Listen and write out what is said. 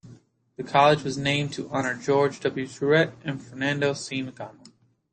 The college was named to honor George W. Truett and Fernando C. McConnell.